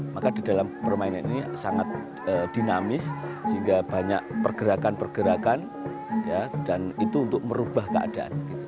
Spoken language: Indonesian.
maka di dalam permainan ini sangat dinamis sehingga banyak pergerakan pergerakan dan itu untuk merubah keadaan